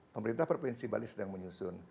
pemerintah provinsi bali sedang menyusun